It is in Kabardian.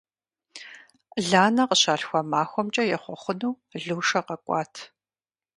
Ланэ къыщалъхуа махуэмкӀэ ехъуэхъуну Лушэ къэкӀуат.